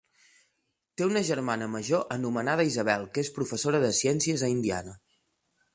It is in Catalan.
Té una germana major anomenada Isabel que és professora de ciències a Indiana.